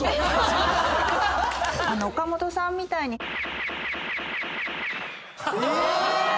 岡本さんみたいに。